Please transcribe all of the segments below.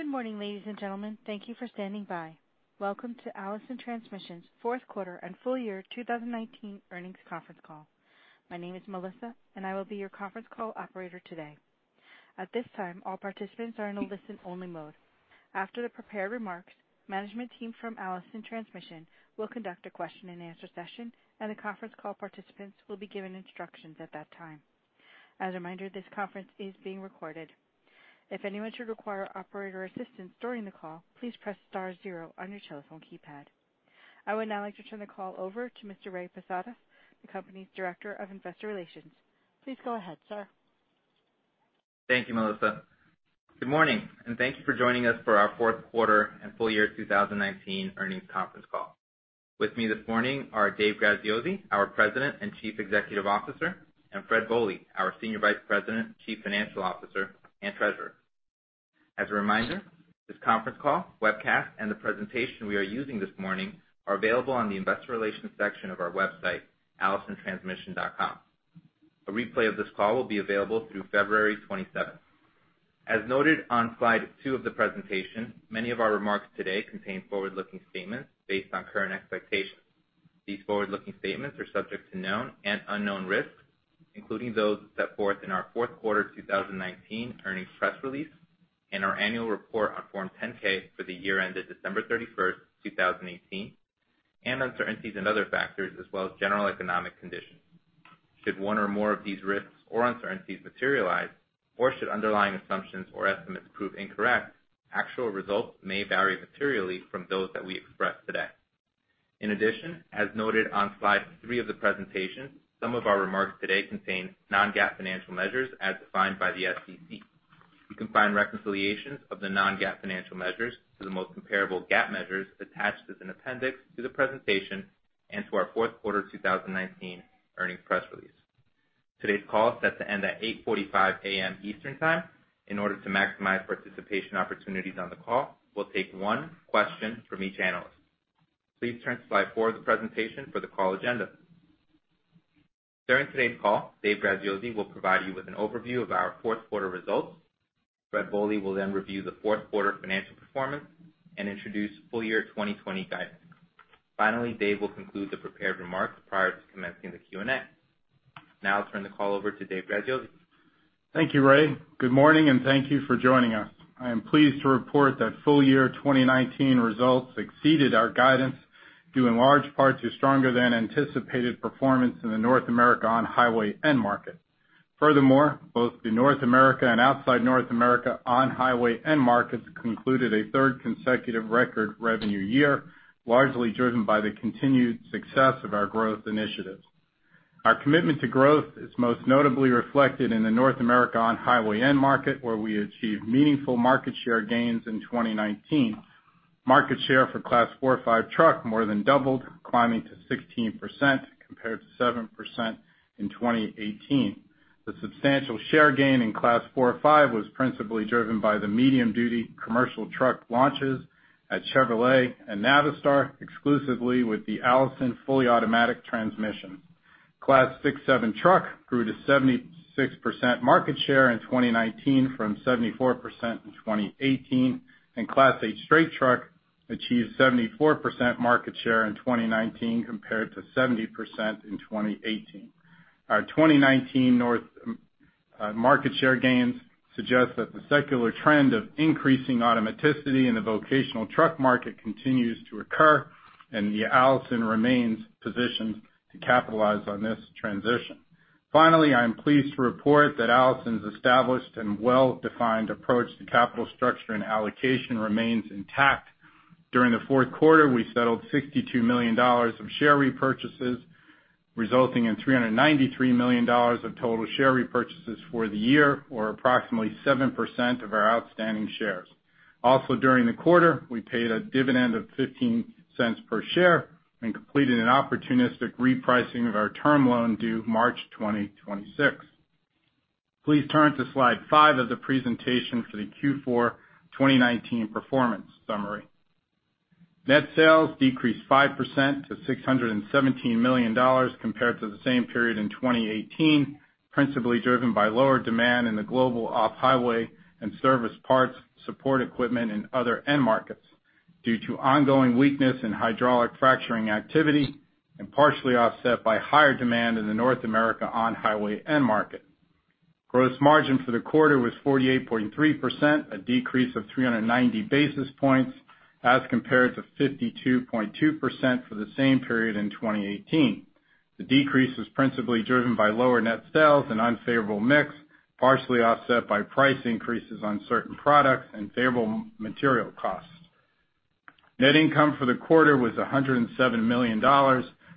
Good morning, ladies and gentlemen. Thank you for standing by. Welcome to Allison Transmission's Fourth Quarter and Full Year 2019 Earnings Conference Call. My name is Melissa, and I will be your conference call operator today. At this time, all participants are in a listen-only mode. After the prepared remarks, management team from Allison Transmission will conduct a question-and-answer session, and the conference call participants will be given instructions at that time. As a reminder, this conference is being recorded. If anyone should require operator assistance during the call, please press star zero on your telephone keypad. I would now like to turn the call over to Mr. Ray Posada, the company's Director of Investor Relations. Please go ahead, sir. Thank you, Melissa. Good morning, and thank you for joining us for our fourth quarter and full year 2019 earnings conference call. With me this morning are Dave Graziosi, our President and Chief Executive Officer, and Fred Bohley, our Senior Vice President, Chief Financial Officer, and Treasurer. As a reminder, this conference call, webcast, and the presentation we are using this morning are available on the investor relations section of our website, allisontransmission.com. A replay of this call will be available through February 27th. As noted on slide two of the presentation, many of our remarks today contain forward-looking statements based on current expectations. These forward-looking statements are subject to known and unknown risks, including those set forth in our fourth quarter 2019 earnings press release and our annual report on Form 10-K for the year ended December 31st, 2018, and uncertainties and other factors as well as general economic conditions. Should one or more of these risks or uncertainties materialize, or should underlying assumptions or estimates prove incorrect, actual results may vary materially from those that we express today. In addition, as noted on slide three of the presentation, some of our remarks today contain non-GAAP financial measures as defined by the SEC. You can find reconciliations of the non-GAAP financial measures to the most comparable GAAP measures attached as an appendix to the presentation and to our fourth quarter 2019 earnings press release. Today's call is set to end at 8:45 A.M. Eastern Time. In order to maximize participation opportunities on the call, we'll take one question from each analyst. Please turn to slide four of the presentation for the call agenda. During today's call, Dave Graziosi will provide you with an overview of our fourth quarter results. Fred Bohley will then review the fourth quarter financial performance and introduce full year 2020 guidance. Finally, Dave will conclude the prepared remarks prior to commencing the Q&A. Now I'll turn the call over to Dave Graziosi. Thank you, Ray. Good morning, and thank you for joining us. I am pleased to report that full year 2019 results exceeded our guidance, due in large part to stronger than anticipated performance in the North America on-highway end market. Furthermore, both the North America and outside North America on-highway end markets concluded a third consecutive record revenue year, largely driven by the continued success of our growth initiatives. Our commitment to growth is most notably reflected in the North America on-highway end market, where we achieved meaningful market share gains in 2019. Market share for Class 4/5 truck more than doubled, climbing to 16%, compared to 7% in 2018. The substantial share gain in Class 4/5 was principally driven by the medium-duty commercial truck launches at Chevrolet and Navistar, exclusively with the Allison fully automatic transmission. Class 6/7 truck grew to 76% market share in 2019 from 74% in 2018, and Class 8 straight truck achieved 74% market share in 2019, compared to 70% in 2018. Our 2019 North American market share gains suggest that the secular trend of increasing automaticity in the vocational truck market continues to occur, and the Allison remains positioned to capitalize on this transition. Finally, I am pleased to report that Allison's established and well-defined approach to capital structure and allocation remains intact. During the fourth quarter, we settled $62 million of share repurchases, resulting in $393 million of total share repurchases for the year, or approximately 7% of our outstanding shares. Also, during the quarter, we paid a dividend of $0.15 per share and completed an opportunistic repricing of our term loan due March 2026. Please turn to slide five of the presentation for the Q4 2019 performance summary. Net sales decreased 5% to $617 million compared to the same period in 2018, principally driven by lower demand in the global off-highway and service parts, support equipment, and other end markets due to ongoing weakness in hydraulic fracturing activity and partially offset by higher demand in the North America on-highway end market. Gross margin for the quarter was 48.3%, a decrease of 390 basis points as compared to 52.2% for the same period in 2018. The decrease was principally driven by lower net sales and unfavorable mix, partially offset by price increases on certain products and favorable material costs. Net income for the quarter was $107 million,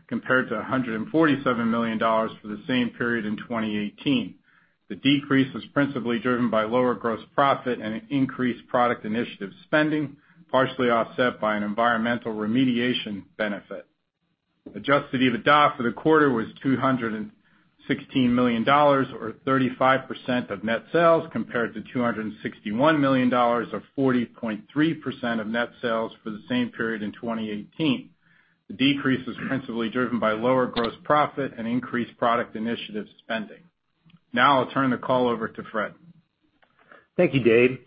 compared to $147 million for the same period in 2018. The decrease was principally driven by lower gross profit and increased product initiative spending, partially offset by an environmental remediation benefit. Adjusted EBITDA for the quarter was $216 million, or 35% of net sales, compared to $261 million, or 40.3% of net sales for the same period in 2018. The decrease was principally driven by lower gross profit and increased product initiative spending. Now I'll turn the call over to Fred. Thank you, Dave.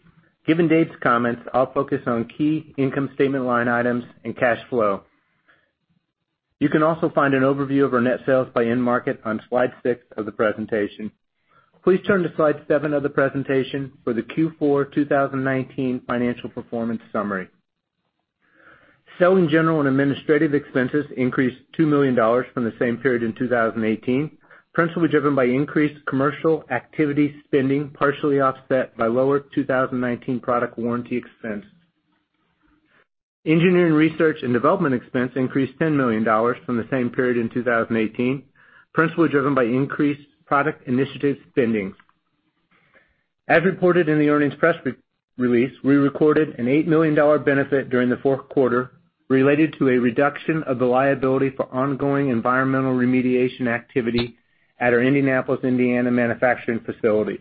Given Dave's comments, I'll focus on key income statement line items and cash flow. You can also find an overview of our net sales by end market on slide six of the presentation. Please turn to slide seven of the presentation for the Q4 2019 financial performance summary. Selling, general, and administrative expenses increased $2 million from the same period in 2018, principally driven by increased commercial activity spending, partially offset by lower 2019 product warranty expense. Engineering, research, and development expense increased $10 million from the same period in 2018, principally driven by increased product initiative spending. As reported in the earnings press release, we recorded an $8 million benefit during the fourth quarter related to a reduction of the liability for ongoing environmental remediation activity at our Indianapolis, Indiana, manufacturing facility.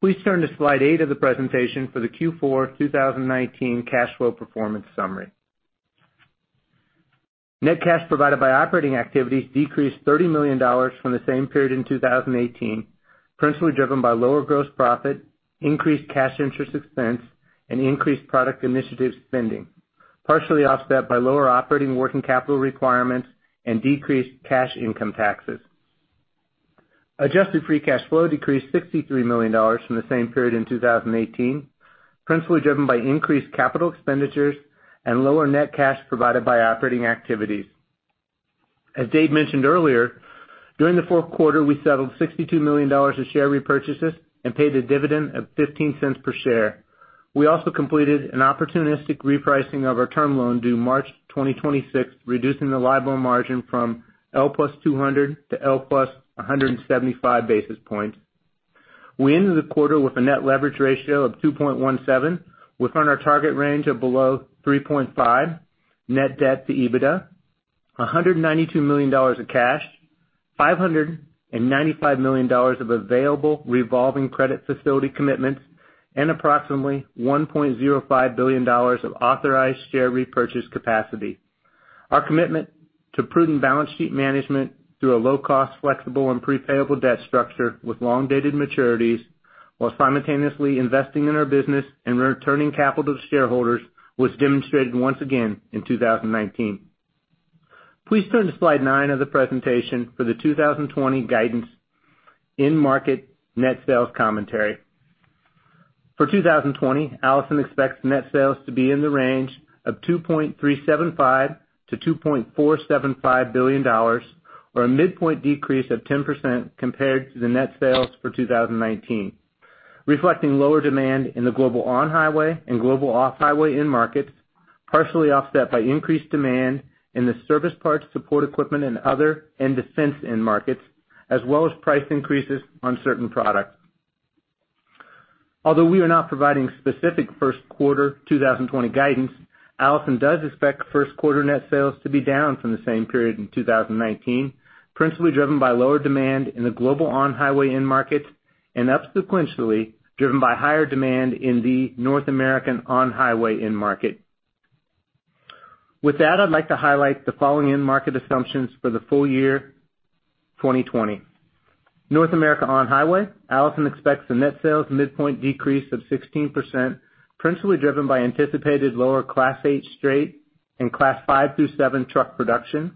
Please turn to slide eight of the presentation for the Q4 2019 cash flow performance summary. Net cash provided by operating activities decreased $30 million from the same period in 2018, principally driven by lower gross profit, increased cash interest expense, and increased product initiative spending, partially offset by lower operating working capital requirements and decreased cash income taxes. Adjusted free cash flow decreased $63 million from the same period in 2018, principally driven by increased capital expenditures and lower net cash provided by operating activities. As Dave mentioned earlier, during the fourth quarter, we settled $62 million of share repurchases and paid a dividend of $0.15 per share. We also completed an opportunistic repricing of our term loan due March 2026, reducing the LIBOR margin from L + 200 to L + 175 basis points. We ended the quarter with a net leverage ratio of 2.17, within our target range of below 3.5, net debt to EBITDA, $192 million of cash, $595 million of available revolving credit facility commitments, and approximately $1.05 billion of authorized share repurchase capacity. Our commitment to prudent balance sheet management through a low-cost, flexible, and pre-payable debt structure with long-dated maturities, while simultaneously investing in our business and returning capital to shareholders, was demonstrated once again in 2019. Please turn to slide nine of the presentation for the 2020 guidance end market net sales commentary. For 2020, Allison expects net sales to be in the range of $2.375 billion-$2.475 billion, or a midpoint decrease of 10% compared to the net sales for 2019, reflecting lower demand in the global on-highway and global off-highway end markets, partially offset by increased demand in the service, parts, support equipment, and other, and defense end markets, as well as price increases on certain products. Although we are not providing specific first quarter 2020 guidance, Allison does expect first quarter net sales to be down from the same period in 2019, principally driven by lower demand in the global on-highway end market and subsequently driven by higher demand in the North American on-highway end market. With that, I'd like to highlight the following end market assumptions for the full year 2020. North America on-highway, Allison expects the net sales midpoint decrease of 16%, principally driven by anticipated lower Class 8 straight and Class 5 through 7 truck production.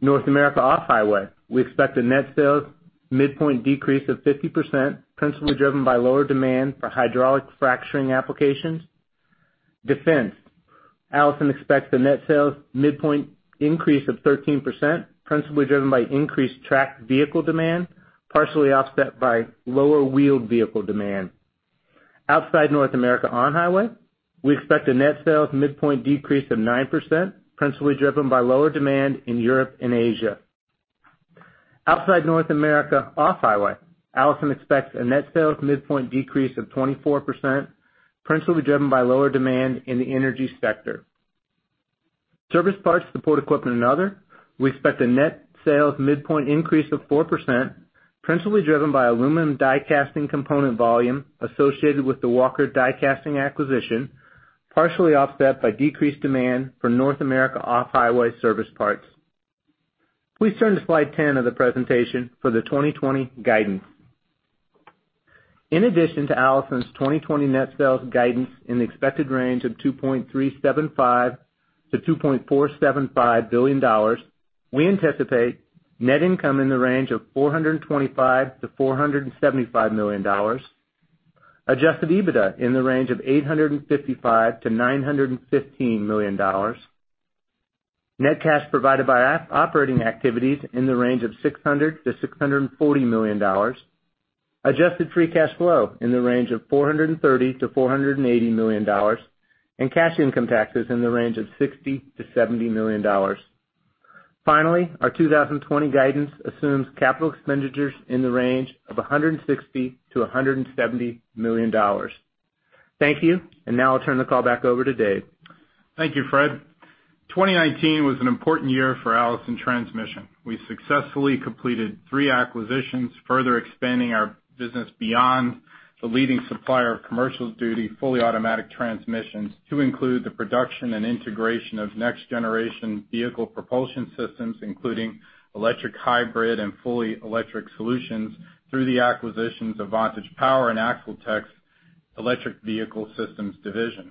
North America off-highway, we expect a net sales midpoint decrease of 50%, principally driven by lower demand for hydraulic fracturing applications. Defense, Allison expects a net sales midpoint increase of 13%, principally driven by increased tracked vehicle demand, partially offset by lower wheeled vehicle demand. Outside North America on-highway, we expect a net sales midpoint decrease of 9%, principally driven by lower demand in Europe and Asia. Outside North America off-highway, Allison expects a net sales midpoint decrease of 24%, principally driven by lower demand in the energy sector. Service, parts, support equipment, and other, we expect a net sales midpoint increase of 4%, principally driven by aluminum die casting component volume associated with the Walker Die Casting acquisition, partially offset by decreased demand for North America off-highway service parts. Please turn to slide 10 of the presentation for the 2020 guidance. In addition to Allison's 2020 net sales guidance in the expected range of $2.375 billion-$2.475 billion, we anticipate net income in the range of $425 million-$475 million, Adjusted EBITDA in the range of $855 million-$915 million, net cash provided by operating activities in the range of $600 million-$640 million, Adjusted free cash flow in the range of $430 million-$480 million, and cash income taxes in the range of $60 million-$70 million. Finally, our 2020 guidance assumes capital expenditures in the range of $160 million-$170 million. Thank you, and now I'll turn the call back over to Dave. Thank you, Fred. 2019 was an important year for Allison Transmission. We successfully completed three acquisitions, further expanding our business beyond the leading supplier of commercial duty, fully automatic transmissions, to include the production and integration of next-generation vehicle propulsion systems, including electric, hybrid, and fully electric solutions through the acquisitions of Vantage Power and AxleTech's electric vehicle systems division.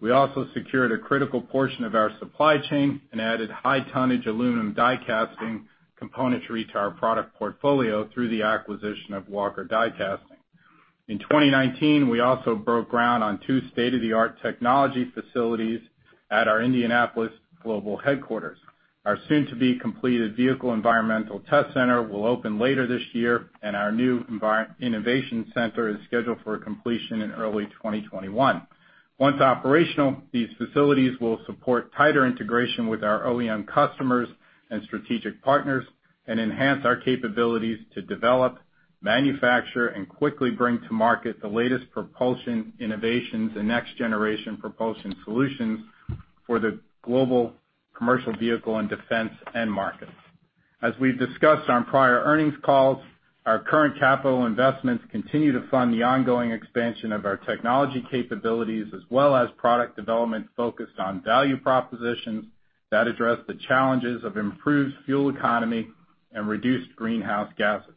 We also secured a critical portion of our supply chain and added high-tonnage aluminum die casting components to reach our product portfolio through the acquisition of Walker Die Casting. In 2019, we also broke ground on two state-of-the-art technology facilities at our Indianapolis global headquarters. Our soon-to-be-completed Vehicle Environmental Test Center will open later this year, and our new Enviro-Innovation Center is scheduled for completion in early 2021. Once operational, these facilities will support tighter integration with our OEM customers and strategic partners and enhance our capabilities to develop, manufacture, and quickly bring to market the latest propulsion innovations and next-generation propulsion solutions for the global commercial vehicle and defense end markets. As we've discussed on prior earnings calls, our current capital investments continue to fund the ongoing expansion of our technology capabilities, as well as product development focused on value propositions that address the challenges of improved fuel economy and reduced greenhouse gases.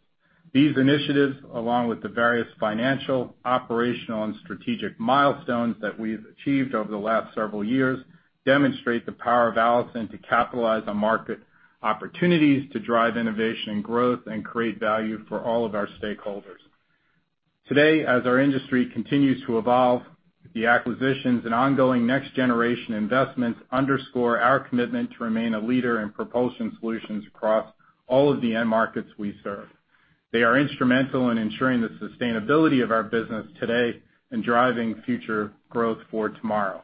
These initiatives, along with the various financial, operational, and strategic milestones that we've achieved over the last several years, demonstrate the power of Allison to capitalize on market opportunities, to drive innovation and growth, and create value for all of our stakeholders. Today, as our industry continues to evolve, the acquisitions and ongoing next-generation investments underscore our commitment to remain a leader in propulsion solutions across all of the end markets we serve. They are instrumental in ensuring the sustainability of our business today and driving future growth for tomorrow.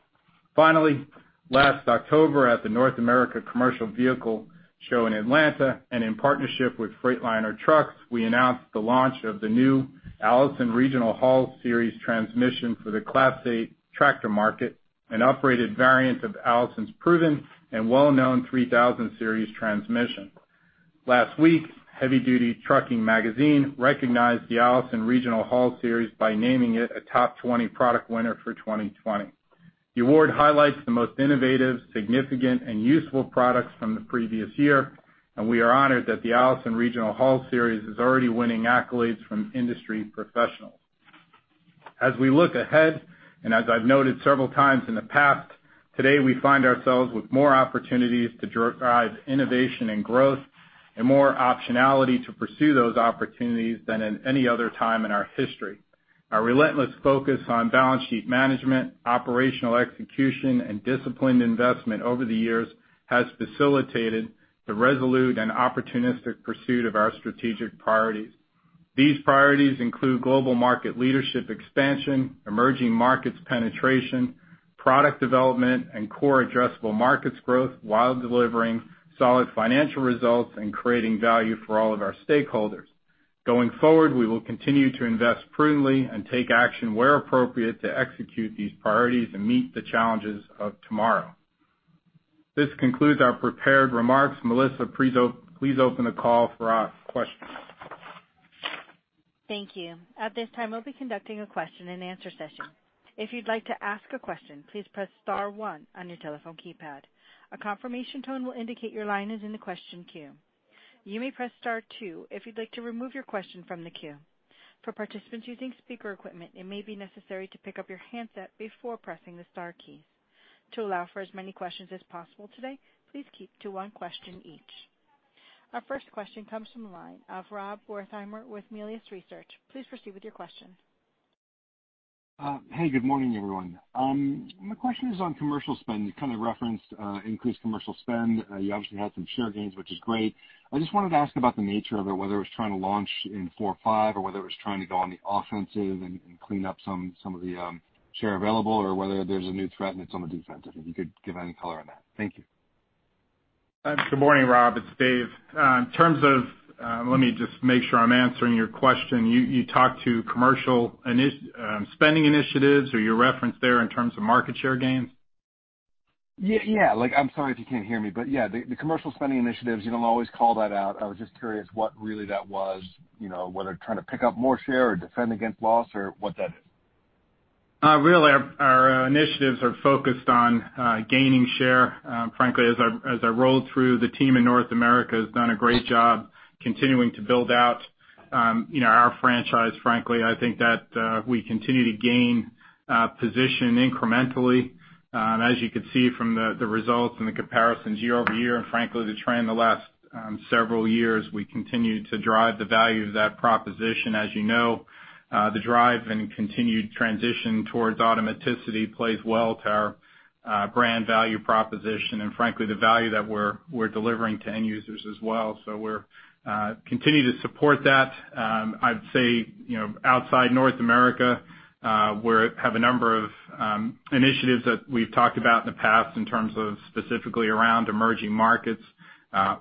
Finally, last October, at the North American Commercial Vehicle Show in Atlanta, and in partnership with Freightliner Trucks, we announced the launch of the new Allison Regional Haul Series transmission for the Class 8 tractor market, an uprated variant of Allison's proven and well-known 3000 Series transmission. Last week, Heavy Duty Trucking magazine recognized the Allison Regional Haul Series by naming it a Top 20 Product Winner for 2020. The award highlights the most innovative, significant, and useful products from the previous year, and we are honored that the Allison Regional Haul Series is already winning accolades from industry professionals. As we look ahead, and as I've noted several times in the past, today, we find ourselves with more opportunities to drive innovation and growth and more optionality to pursue those opportunities than in any other time in our history. Our relentless focus on balance sheet management, operational execution, and disciplined investment over the years has facilitated the resolute and opportunistic pursuit of our strategic priorities. These priorities include global market leadership expansion, emerging markets penetration, product development, and core addressable markets growth, while delivering solid financial results and creating value for all of our stakeholders. Going forward, we will continue to invest prudently and take action where appropriate to execute these priorities and meet the challenges of tomorrow. This concludes our prepared remarks. Melissa, please open the call for questions. Thank you. At this time, we'll be conducting a question-and-answer session. If you'd like to ask a question, please press star one on your telephone keypad. A confirmation tone will indicate your line is in the question queue. You may press star two if you'd like to remove your question from the queue. For participants using speaker equipment, it may be necessary to pick up your handset before pressing the star keys. To allow for as many questions as possible today, please keep to one question each. Our first question comes from the line of Rob Wertheimer with Melius Research. Please proceed with your question. Hey, good morning, everyone. My question is on commercial spend. You kind of referenced increased commercial spend. You obviously had some share gains, which is great. I just wanted to ask about the nature of it, whether it was trying to launch in four or five, or whether it was trying to go on the offensive and clean up some of the share available, or whether there's a new threat and it's on the defensive, if you could give any color on that. Thank you. Good morning, Rob. It's Dave. In terms of, let me just make sure I'm answering your question. You talked to commercial spending initiatives or your reference there in terms of market share gains? Yeah, like, I'm sorry if you can't hear me, but, yeah, the commercial spending initiatives, you don't always call that out. I was just curious what really that was, you know, whether trying to pick up more share or defend against loss or what that is. Really, our initiatives are focused on gaining share. Frankly, as I rolled through, the team in North America has done a great job continuing to build out, you know, our franchise. Frankly, I think that we continue to gain position incrementally. As you can see from the results and the comparisons year-over-year, and frankly, the trend the last several years, we continue to drive the value of that proposition. As you know, the drive and continued transition towards automaticity plays well to our brand value proposition and, frankly, the value that we're delivering to end users as well. So we're continue to support that. I'd say, you know, outside North America, we have a number of initiatives that we've talked about in the past in terms of specifically around emerging markets.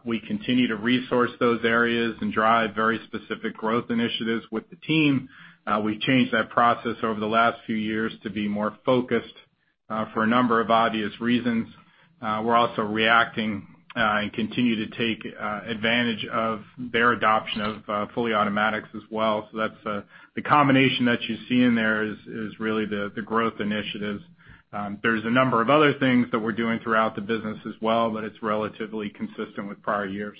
We continue to resource those areas and drive very specific growth initiatives with the team. We've changed that process over the last few years to be more focused for a number of obvious reasons. We're also reacting and continue to take advantage of their adoption of fully automatics as well. So that's the combination that you see in there is, is really the, the growth initiatives. There's a number of other things that we're doing throughout the business as well, but it's relatively consistent with prior years....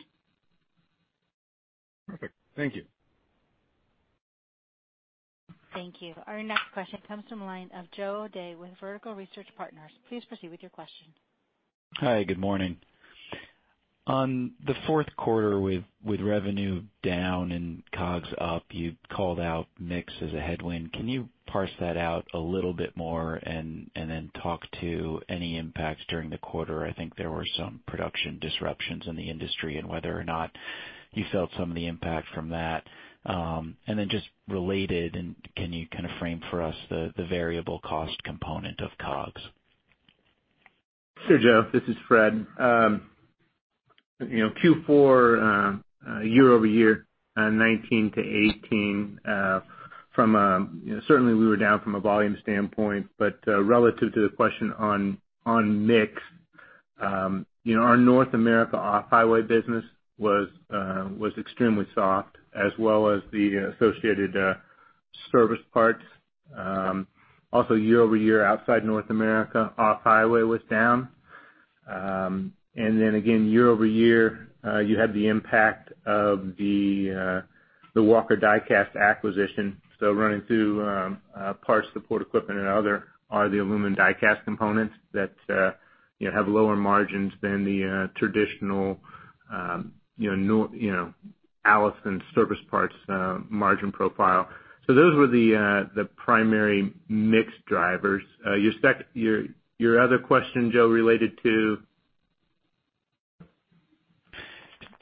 Thank you. Thank you. Our next question comes from the line of Joe O'Dea with Vertical Research Partners. Please proceed with your question. Hi, good morning. On the fourth quarter, with revenue down and COGS up, you called out mix as a headwind. Can you parse that out a little bit more and then talk to any impacts during the quarter? I think there were some production disruptions in the industry, and whether or not you felt some of the impact from that. And then just related, can you kind of frame for us the variable cost component of COGS? Sure, Joe, this is Fred. You know, Q4, year over year, 2019 to 2018, from, you know, certainly we were down from a volume standpoint, but relative to the question on mix, you know, our North America off-highway business was extremely soft, as well as the associated service parts. Also, year over year, outside North America, off-highway was down. And then again, year over year, you had the impact of the Walker Die Casting acquisition. So running through parts, support, equipment and other are the aluminum die casting components that you know have lower margins than the traditional you know Allison service parts margin profile. So those were the primary mix drivers. Your other question, Joe, related to?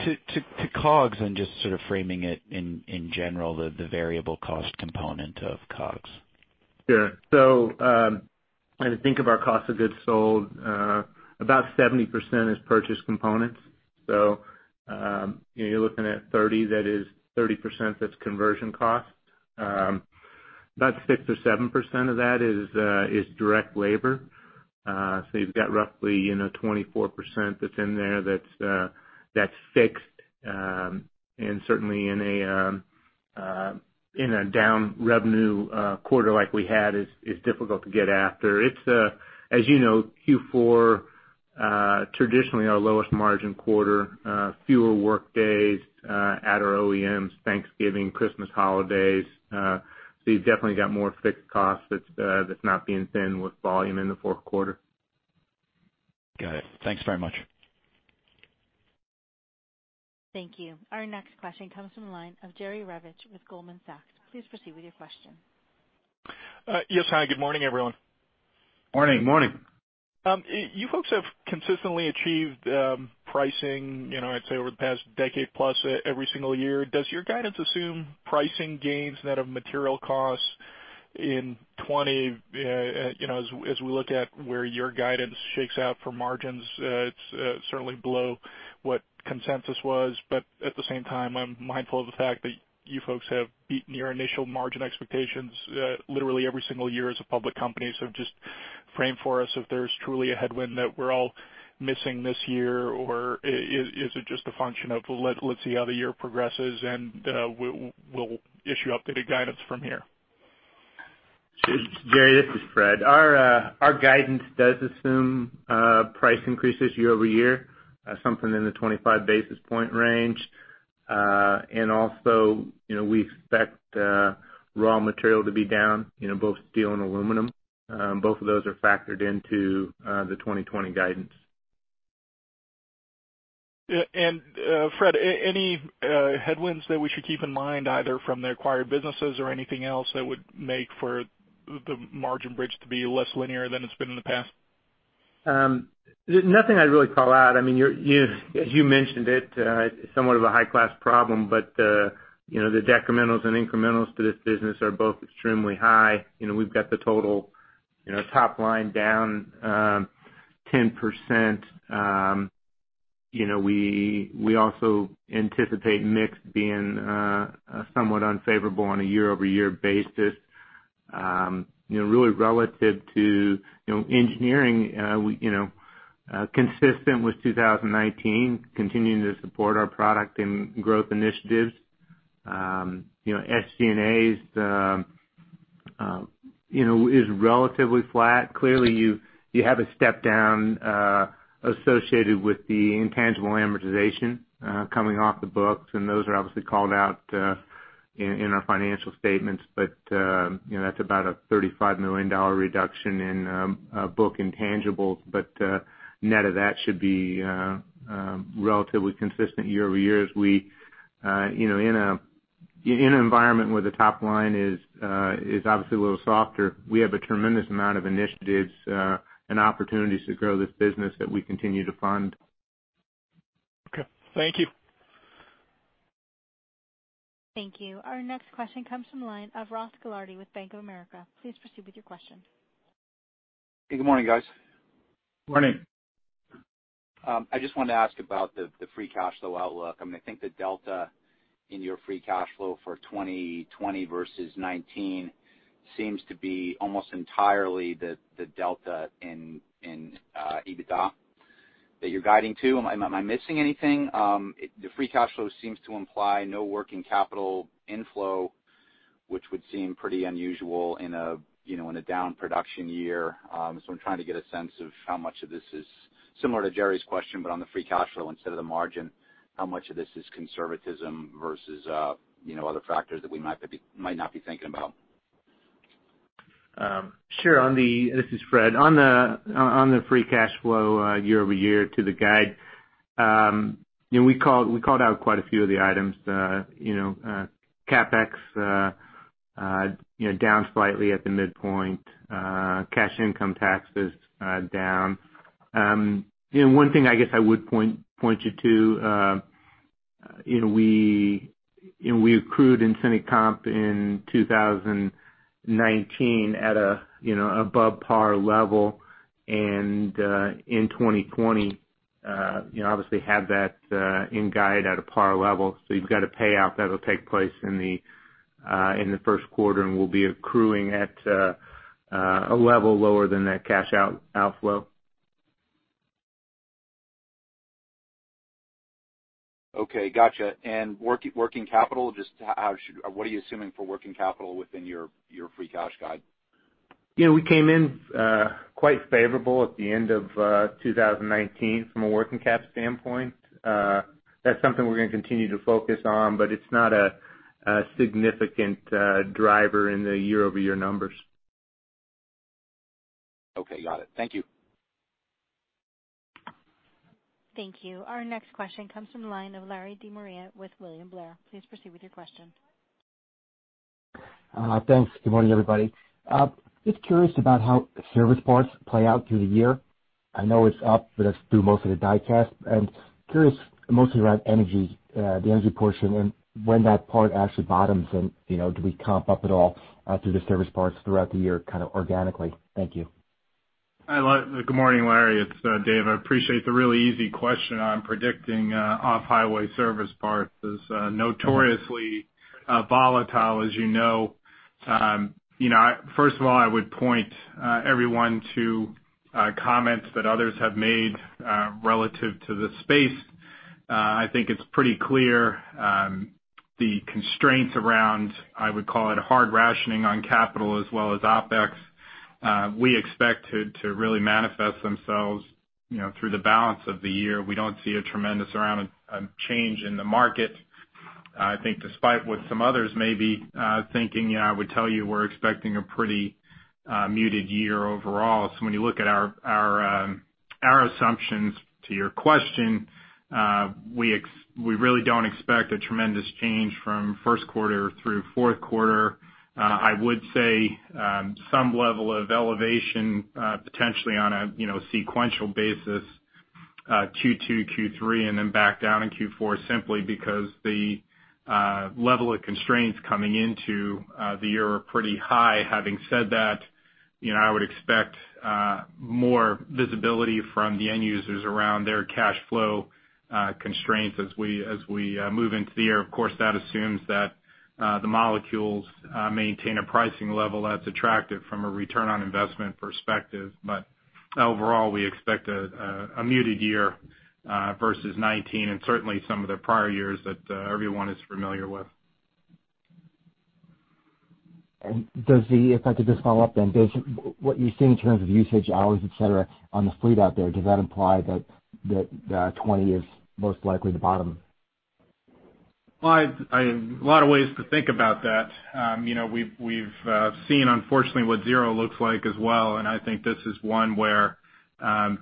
To COGS and just sort of framing it in general, the variable cost component of COGS. Sure. So, when you think of our cost of goods sold, about 70% is purchase components. So, you know, you're looking at 30, that is 30%, that's conversion cost. About 6% or 7% of that is direct labor. So you've got roughly, you know, 24% that's in there that's fixed, and certainly in a down revenue quarter like we had, is difficult to get after. It's, as you know, Q4, traditionally our lowest margin quarter, fewer work days at our OEMs, Thanksgiving, Christmas holidays. So you've definitely got more fixed costs that's not being thin with volume in the fourth quarter. Got it. Thanks very much. Thank you. Our next question comes from the line of Jerry Revich with Goldman Sachs. Please proceed with your question. Yes. Hi, good morning, everyone. Morning, morning. You folks have consistently achieved pricing, you know, I'd say over the past decade plus, every single year. Does your guidance assume pricing gains net of material costs in 2020? You know, as we look at where your guidance shakes out for margins, it's certainly below what consensus was. But at the same time, I'm mindful of the fact that you folks have beaten your initial margin expectations, literally every single year as a public company. So just frame for us if there's truly a headwind that we're all missing this year, or is it just a function of let's see how the year progresses, and we'll issue updated guidance from here? Jerry, this is Fred. Our guidance does assume price increases year over year, something in the 25 basis point range. And also, you know, we expect raw material to be down, you know, both steel and aluminum. Both of those are factored into the 2020 guidance. Yeah, and, Fred, any headwinds that we should keep in mind, either from the acquired businesses or anything else that would make for the margin bridge to be less linear than it's been in the past? Nothing I'd really call out. I mean, you're, you, you mentioned it, somewhat of a high-class problem, but, you know, the decrementals and incrementals to this business are both extremely high. You know, we've got the total, you know, top line down 10%. You know, we also anticipate mix being somewhat unfavorable on a year-over-year basis. You know, really relative to, you know, engineering, we, you know, consistent with 2019, continuing to support our product and growth initiatives. You know, SG&A's, you know, is relatively flat. Clearly, you have a step down associated with the intangible amortization coming off the books, and those are obviously called out in our financial statements. But, you know, that's about a $35 million reduction in book intangibles, but net of that should be relatively consistent year-over-year as you know, in an environment where the top line is obviously a little softer, we have a tremendous amount of initiatives and opportunities to grow this business that we continue to fund. Okay. Thank you. Thank you. Our next question comes from the line of Ross Gilardi with Bank of America. Please proceed with your question. Good morning, guys. Morning. I just wanted to ask about the free cash flow outlook. I mean, I think the delta in your free cash flow for 2020 versus 2019 seems to be almost entirely the delta in EBITDA that you're guiding to. Am I missing anything? The free cash flow seems to imply no working capital inflow, which would seem pretty unusual in a, you know, in a down production year. So I'm trying to get a sense of how much of this is similar to Jerry's question, but on the free cash flow instead of the margin, how much of this is conservatism versus, you know, other factors that we might not be thinking about? Sure. This is Fred. On the free cash flow, year-over-year to the guide, you know, we called out quite a few of the items. You know, CapEx, you know, down slightly at the midpoint, cash income taxes, down. You know, one thing I guess I would point you to, you know, we accrued incentive comp in 2019 at a above par level, and in 2020, you know, obviously have that in guide at a par level. So you've got a payout that'll take place in the first quarter, and we'll be accruing at a level lower than that cash outflow. Okay, gotcha. And working capital, just what are you assuming for working capital within your, your free cash guide? You know, we came in quite favorable at the end of 2019 from a working cap standpoint. That's something we're gonna continue to focus on, but it's not a significant driver in the year-over-year numbers. Okay. Got it. Thank you. Thank you. Our next question comes from the line of Larry De Maria with William Blair. Please proceed with your question. Thanks. Good morning, everybody. Just curious about how service parts play out through the year. I know it's up, but that's through most of the die cast. And curious mostly around energy, the energy portion and when that part actually bottoms and, you know, do we comp up at all through the service parts throughout the year, kind of organically? Thank you. Hi, Larry, good morning, Larry, it's Dave. I appreciate the really easy question on predicting off-highway service parts. It's notoriously volatile, as you know. You know, first of all, I would point everyone to comments that others have made relative to the space. I think it's pretty clear, the constraints around, I would call it, hard rationing on capital as well as OpEx, we expect to really manifest themselves, you know, through the balance of the year. We don't see a tremendous amount of change in the market. I think despite what some others may be thinking, I would tell you we're expecting a pretty muted year overall. So when you look at our assumptions to your question, we really don't expect a tremendous change from first quarter through fourth quarter. I would say some level of elevation potentially on a, you know, sequential basis, Q2, Q3, and then back down in Q4, simply because the level of constraints coming into the year are pretty high. Having said that, you know, I would expect more visibility from the end users around their cash flow constraints as we move into the year. Of course, that assumes that the molecules maintain a pricing level that's attractive from a return on investment perspective. But overall, we expect a muted year versus 2019, and certainly some of the prior years that everyone is familiar with. Does the... If I could just follow up then, based what you see in terms of usage hours, et cetera, on the fleet out there, does that imply that 2020 is most likely the bottom? Well, a lot of ways to think about that. You know, we've seen unfortunately what zero looks like as well, and I think this is one where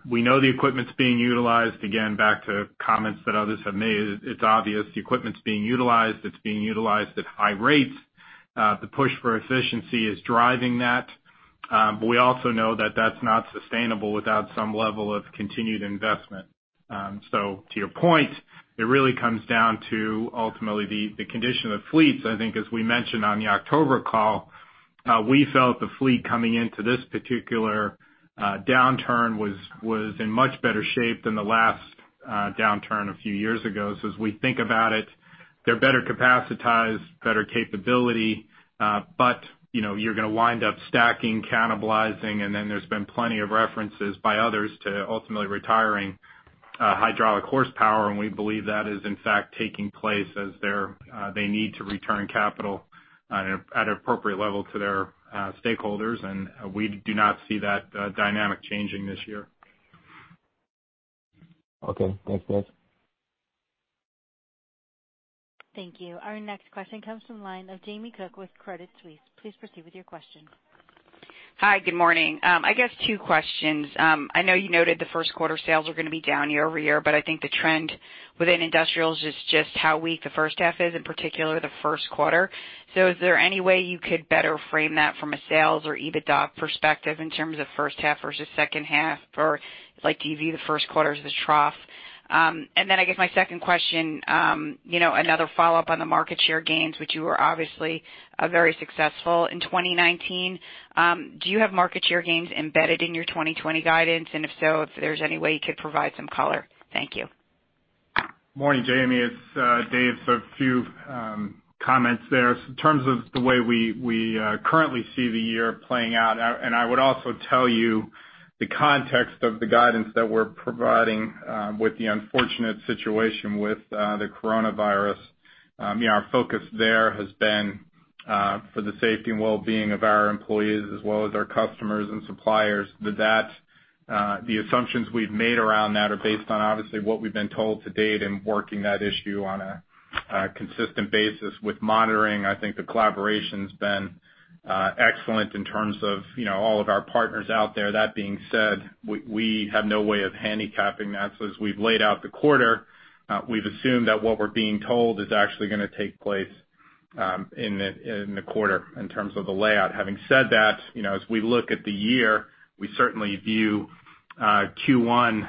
we know the equipment's being utilized. Again, back to comments that others have made, it's obvious the equipment's being utilized, it's being utilized at high rates. The push for efficiency is driving that, but we also know that that's not sustainable without some level of continued investment. So to your point, it really comes down to ultimately the condition of the fleets. I think, as we mentioned on the October call, we felt the fleet coming into this particular downturn was in much better shape than the last downturn a few years ago. So as we think about it, they're better capacitized, better capability, but, you know, you're gonna wind up stacking, cannibalizing, and then there's been plenty of references by others to ultimately retiring hydraulic horsepower, and we believe that is in fact taking place as they're they need to return capital at, at an appropriate level to their stakeholders, and we do not see that dynamic changing this year. Okay. Thanks, Dave. Thank you. Our next question comes from the line of Jamie Cook with Credit Suisse. Please proceed with your question. Hi, good morning. I guess two questions. I know you noted the first quarter sales are gonna be down year-over-year, but I think the trend within industrials is just how weak the first half is, in particular, the first quarter. So is there any way you could better frame that from a sales or EBITDA perspective in terms of first half versus second half, or like, do you view the first quarter as the trough? And then I guess my second question, you know, another follow-up on the market share gains, which you were obviously, very successful in 2019. Do you have market share gains embedded in your 2020 guidance? And if so, if there's any way you could provide some color. Thank you. Morning, Jamie, it's Dave. So a few comments there. In terms of the way we currently see the year playing out, and I would also tell you the context of the guidance that we're providing, with the unfortunate situation with the coronavirus. You know, our focus there has been for the safety and well-being of our employees as well as our customers and suppliers, that the assumptions we've made around that are based on obviously what we've been told to date and working that issue on a consistent basis with monitoring. I think the collaboration's been excellent in terms of, you know, all of our partners out there. That being said, we have no way of handicapping that. So as we've laid out the quarter, we've assumed that what we're being told is actually gonna take place in the quarter in terms of the layout. Having said that, you know, as we look at the year, we certainly view Q1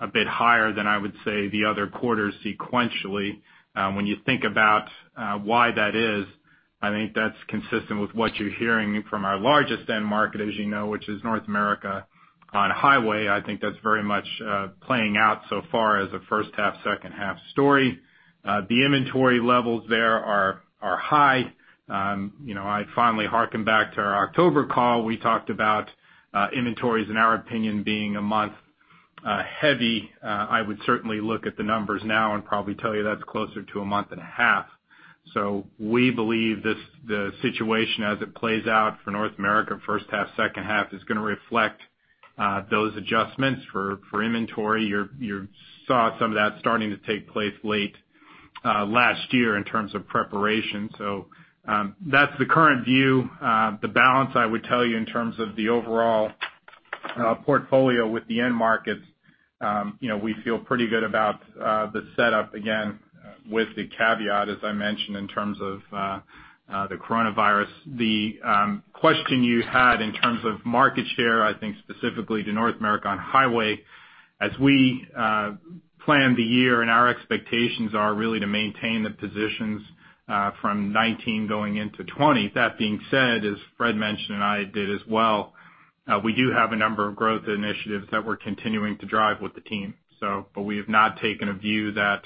a bit higher than I would say the other quarters sequentially. When you think about why that is, I think that's consistent with what you're hearing from our largest end market, as you know, which is North America on highway. I think that's very much playing out so far as a first half, second half story. The inventory levels there are high. You know, I finally harken back to our October call. We talked about inventories, in our opinion, being a month heavy. I would certainly look at the numbers now and probably tell you that's closer to a month and a half. So we believe the situation as it plays out for North America, first half, second half, is gonna reflect those adjustments for inventory. You saw some of that starting to take place late last year in terms of preparation. So that's the current view. The balance, I would tell you, in terms of the overall portfolio with the end markets, you know, we feel pretty good about the setup again, with the caveat, as I mentioned, in terms of the coronavirus. The question you had in terms of market share, I think specifically to North America on highway, as we plan the year and our expectations are really to maintain the positions from 2019 going into 2020. That being said, as Fred mentioned, and I did as well, we do have a number of growth initiatives that we're continuing to drive with the team, so but we have not taken a view that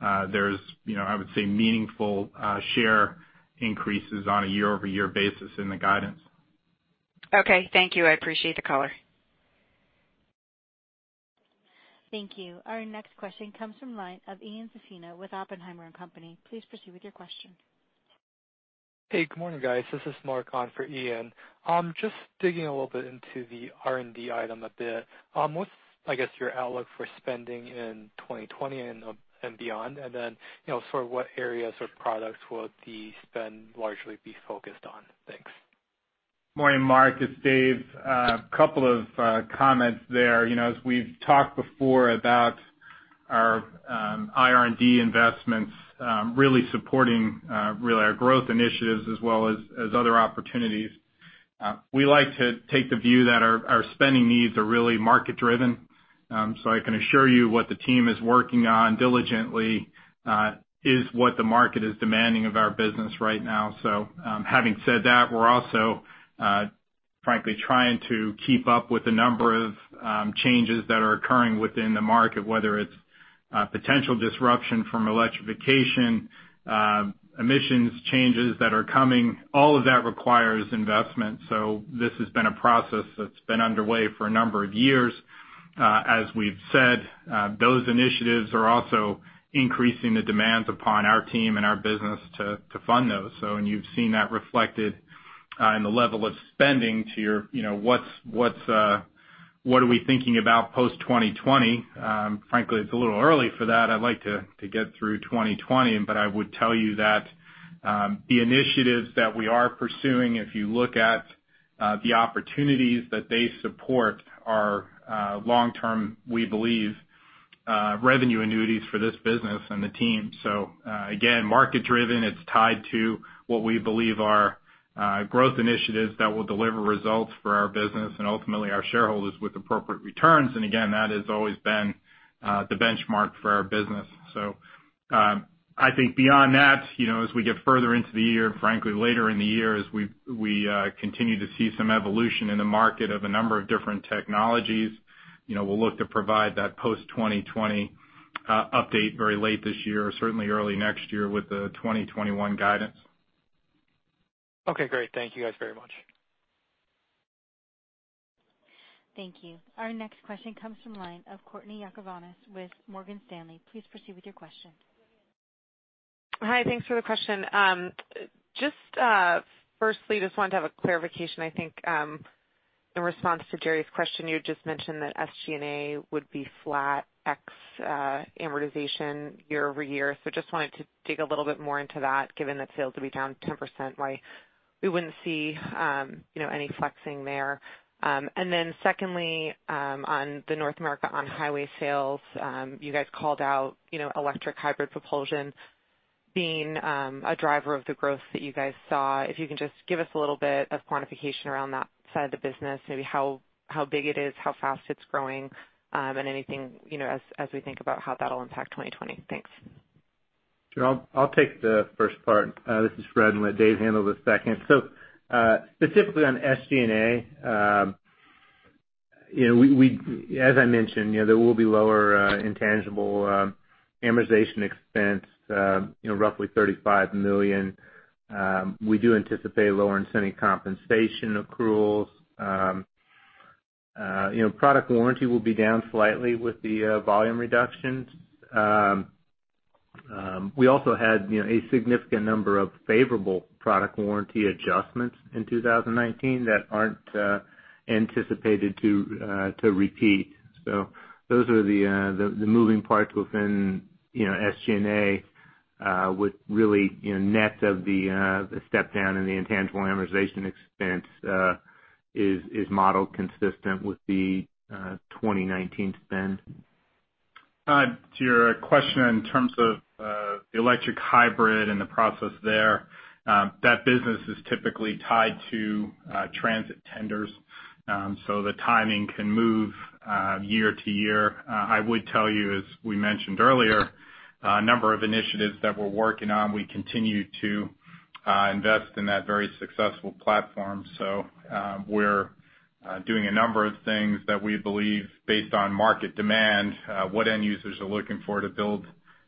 there's, you know, I would say, meaningful share increases on a year-over-year basis in the guidance. Okay. Thank you. I appreciate the color. Thank you. Our next question comes from line of Ian Zaffino with Oppenheimer and Company. Please proceed with your question. Hey, good morning, guys. This is Mark on for Ian. Just digging a little bit into the R&D item a bit. What's, I guess, your outlook for spending in 2020 and, and beyond? And then, you know, sort of what areas or products will the spend largely be focused on? Thanks. Morning, Mark, it's Dave. Couple of comments there. You know, as we've talked before about our R&D investments, really supporting really our growth initiatives as well as other opportunities. We like to take the view that our spending needs are really market driven. So I can assure you what the team is working on diligently is what the market is demanding of our business right now. So, having said that, we're also frankly trying to keep up with the number of changes that are occurring within the market, whether it's potential disruption from electrification, emissions changes that are coming, all of that requires investment. So this has been a process that's been underway for a number of years. As we've said, those initiatives are also increasing the demands upon our team and our business to fund those. So you've seen that reflected in the level of spending to your, you know, what are we thinking about post-2020? Frankly, it's a little early for that. I'd like to get through 2020, but I would tell you that the initiatives that we are pursuing, if you look at the opportunities that they support, are long-term, we believe, revenue annuities for this business and the team. So again, market driven, it's tied to what we believe are growth initiatives that will deliver results for our business and ultimately our shareholders with appropriate returns. And again, that has always been the benchmark for our business. I think beyond that, you know, as we get further into the year, and frankly, later in the year, as we continue to see some evolution in the market of a number of different technologies, you know, we'll look to provide that post-2020 update very late this year, or certainly early next year with the 2021 guidance. Okay, great. Thank you guys very much. Thank you. Our next question comes from the line of Courtney Yakavonis with Morgan Stanley. Please proceed with your question. Hi, thanks for the question. Just, firstly, just wanted to have a clarification. I think, in response to Jerry's question, you just mentioned that SG&A would be flat ex amortization year-over-year. So just wanted to dig a little bit more into that, given that sales will be down 10%, why we wouldn't see, you know, any flexing there. And then secondly, on the North America on-highway sales, you guys called out, you know, electric hybrid propulsion being a driver of the growth that you guys saw. If you can just give us a little bit of quantification around that side of the business, maybe how, how big it is, how fast it's growing, and anything, you know, as, as we think about how that'll impact 2020. Thanks. Sure. I'll take the first part. This is Fred, and let Dave handle the second. So, specifically on SG&A, as I mentioned, you know, there will be lower intangible amortization expense, you know, roughly $35 million. We do anticipate lower incentive compensation accruals.... You know, product warranty will be down slightly with the volume reductions. We also had, you know, a significant number of favorable product warranty adjustments in 2019 that aren't anticipated to repeat. So those are the moving parts within, you know, SG&A, with really, you know, net of the step down in the intangible amortization expense, is modeled consistent with the 2019 spend. To your question, in terms of the electric hybrid and the process there, that business is typically tied to transit tenders. So, the timing can move year to year. I would tell you, as we mentioned earlier, a number of initiatives that we're working on. We continue to invest in that very successful platform. So, we're doing a number of things that we believe based on market demand, what end users are looking for, to build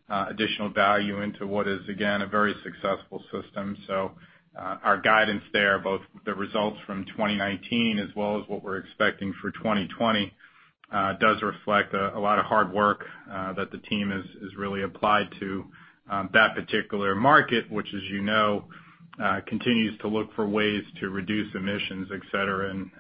additional value into what is, again, a very successful system. So, our guidance there, both the results from 2019 as well as what we're expecting for 2020, does reflect a lot of hard work that the team has really applied to that particular market, which, as you know, continues to look for ways to reduce emissions, et cetera. And,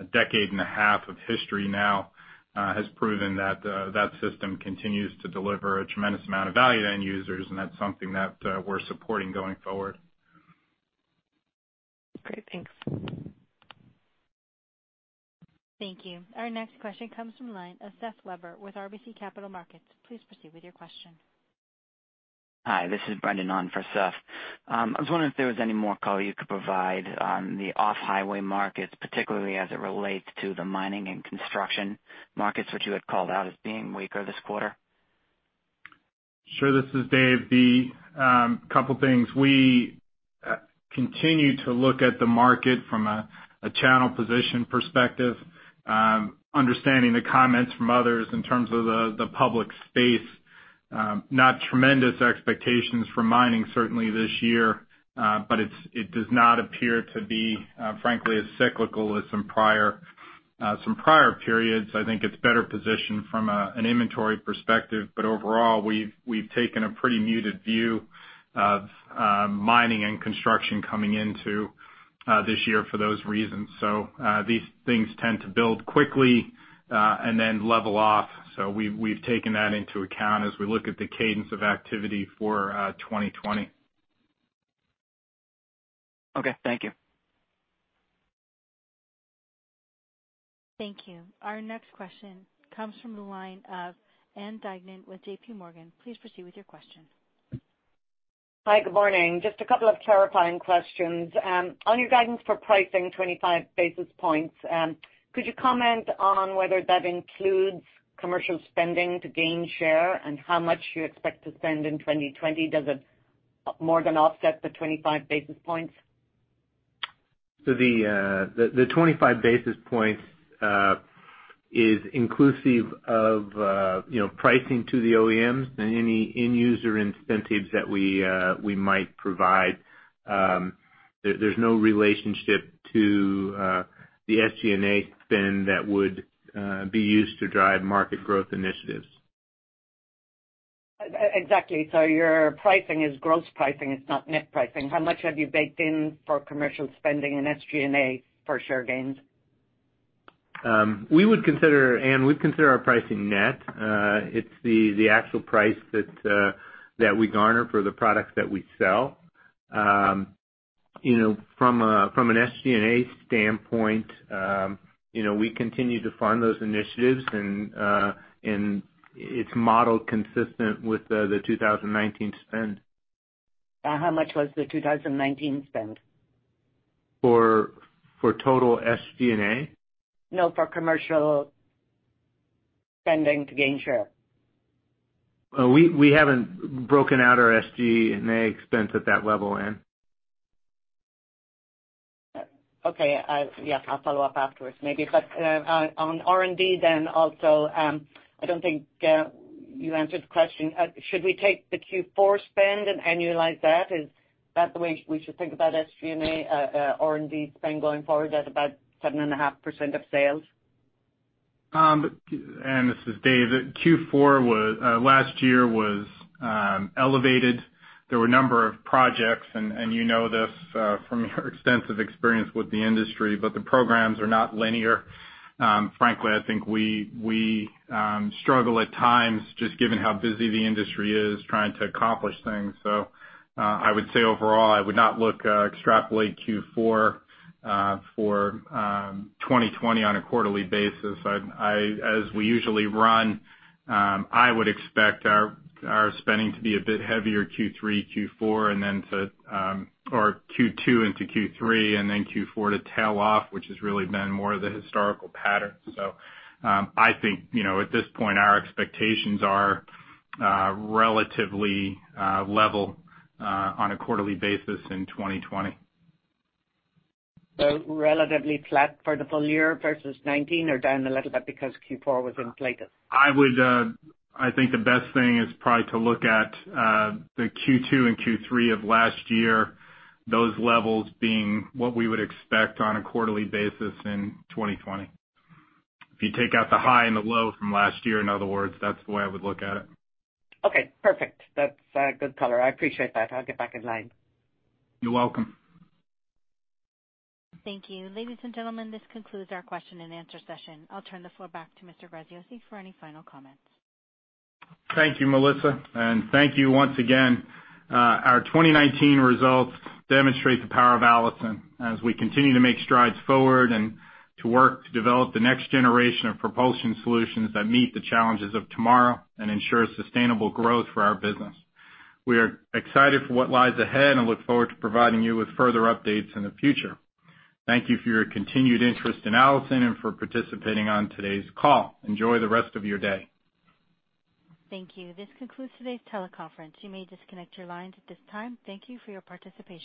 a decade and a half of history now has proven that that system continues to deliver a tremendous amount of value to end users, and that's something that we're supporting going forward. Great. Thanks. Thank you. Our next question comes from the line of Seth Weber with RBC Capital Markets. Please proceed with your question. Hi, this is Brendan on for Seth. I was wondering if there was any more color you could provide on the off-highway markets, particularly as it relates to the mining and construction markets, which you had called out as being weaker this quarter. Sure. This is Dave. The couple things, we continue to look at the market from a channel position perspective, understanding the comments from others in terms of the public space, not tremendous expectations for mining, certainly this year, but it does not appear to be, frankly, as cyclical as some prior periods. I think it's better positioned from an inventory perspective, but overall, we've taken a pretty muted view of mining and construction coming into this year for those reasons. So, these things tend to build quickly, and then level off. So we've taken that into account as we look at the cadence of activity for 2020. Okay, thank you. Thank you. Our next question comes from the line of Ann Duignan with JPMorgan. Please proceed with your question. Hi, good morning. Just a couple of clarifying questions. On your guidance for pricing 25 basis points, could you comment on whether that includes commercial spending to gain share, and how much you expect to spend in 2020? Does it more than offset the 25 basis points? So the 25 basis points is inclusive of, you know, pricing to the OEMs and any end user incentives that we might provide. There's no relationship to the SG&A spend that would be used to drive market growth initiatives. Exactly. So your pricing is gross pricing, it's not net pricing. How much have you baked in for commercial spending and SG&A for share gains? We would consider, Ann, we'd consider our pricing net. It's the actual price that we garner for the products that we sell. You know, from an SG&A standpoint, you know, we continue to fund those initiatives, and it's modeled consistent with the 2019 spend. How much was the 2019 spend? For total SG&A? No, for commercial spending to gain share. We haven't broken out our SG&A expense at that level, Ann. Okay. I -- yeah, I'll follow up afterwards, maybe. But, on R&D then also, I don't think you answered the question. Should we take the Q4 spend and annualize that? Is that the way we should think about SG&A, R&D spend going forward, at about 7.5% of sales? Ann, this is Dave. Q4 last year was elevated. There were a number of projects, and you know this from your extensive experience with the industry, but the programs are not linear. Frankly, I think we struggle at times, just given how busy the industry is, trying to accomplish things. So, I would say overall, I would not look to extrapolate Q4 for 2020 on a quarterly basis. As we usually run, I would expect our spending to be a bit heavier Q3, Q4, and then Q2 into Q3, and then Q4 to tail off, which has really been more of the historical pattern. So, I think, you know, at this point, our expectations are relatively level on a quarterly basis in 2020. Relatively flat for the full year versus 2019, or down a little bit because Q4 was inflated? I would. I think the best thing is probably to look at the Q2 and Q3 of last year, those levels being what we would expect on a quarterly basis in 2020. If you take out the high and the low from last year, in other words, that's the way I would look at it. Okay, perfect. That's good color. I appreciate that. I'll get back in line. You're welcome. Thank you. Ladies and gentlemen, this concludes our question and answer session. I'll turn the floor back to Mr. Graziosi for any final comments. Thank you, Melissa, and thank you once again. Our 2019 results demonstrate the power of Allison as we continue to make strides forward and to work to develop the next generation of propulsion solutions that meet the challenges of tomorrow and ensure sustainable growth for our business. We are excited for what lies ahead and look forward to providing you with further updates in the future. Thank you for your continued interest in Allison and for participating on today's call. Enjoy the rest of your day. Thank you. This concludes today's teleconference. Yo u may disconnect your lines at this time. Thank you for your participation.